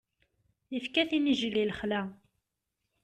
Ifka-t inijjel i lexla.